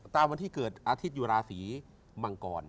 ตามวันที่เกิดอาทิตอยู่ราศีมังกร